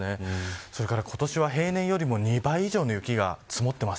それから今年は平年より２倍以上の雪が積もっています。